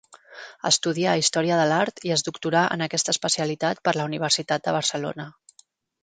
Estudià Història de l'Art i es doctorà en aquesta especialitat per la Universitat de Barcelona.